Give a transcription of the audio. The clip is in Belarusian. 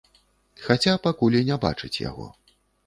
Хаця пакуль і не бачаць яго.